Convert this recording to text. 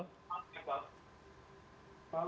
selamat malam pak iqbal